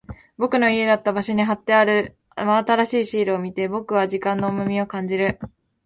僕の家だった場所に貼ってある真新しいシールを見て、僕は時間の重みを感じる。